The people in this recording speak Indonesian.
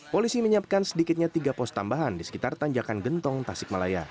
polisi menyiapkan sedikitnya tiga pos tambahan di sekitar tanjakan gentong tasikmalaya